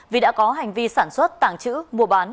vì đã có hành vi sản xuất tàng trữ mua bán